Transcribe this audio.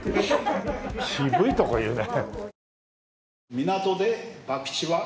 渋いとこ言うね。